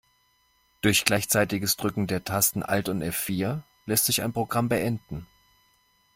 Durch gleichzeitiges Drücken der Tasten Alt und F-vier lässt sich ein Programm beenden.